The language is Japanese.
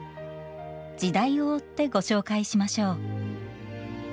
時代を追ってご紹介しましょう。